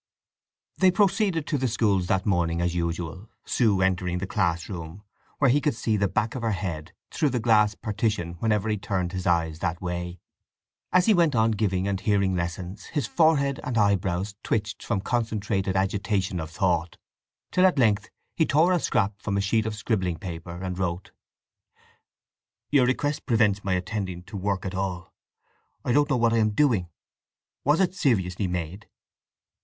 They proceeded to the schools that morning as usual, Sue entering the class room, where he could see the back of her head through the glass partition whenever he turned his eyes that way. As he went on giving and hearing lessons his forehead and eyebrows twitched from concentrated agitation of thought, till at length he tore a scrap from a sheet of scribbling paper and wrote: Your request prevents my attending to work at all. I don't know what I am doing! Was it seriously made?